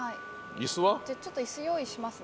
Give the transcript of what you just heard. ちょっと椅子用意しますね。